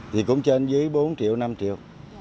thì cũng trên dưới bốn triệu năm triệu